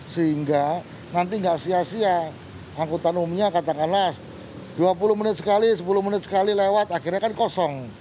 sehingga nanti tidak sia sia angkutan umumnya katakanlah dua puluh menit sekali sepuluh menit sekali lewat akhirnya kan kosong